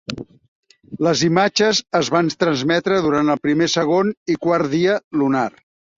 Les imatges es van transmetre durant el primer, segon i quart dia lunar.